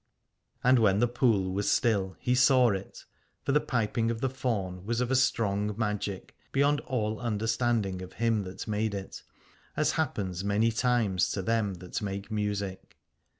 And when the pool was still he saw it, for the piping of the faun was of a strong magic, beyond all under standing of him that made it, as happens many times to them that make music.